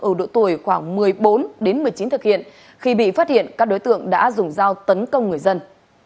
ở độ tuổi khoảng một mươi bốn đến một mươi chín thực hiện khi bị phát hiện các đối tượng đã dùng dao tấn công người dân